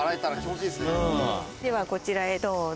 ではこちらへどうぞ。